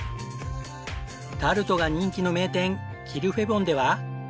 タルトが人気の名店キルフェボンでは。